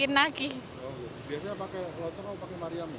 biasanya pakai roti atau pakai mariam